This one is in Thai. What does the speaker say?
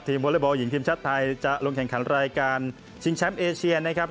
วอเล็กบอลหญิงทีมชาติไทยจะลงแข่งขันรายการชิงแชมป์เอเชียนะครับ